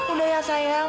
udah ya sayang